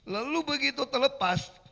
lalu begitu terlepas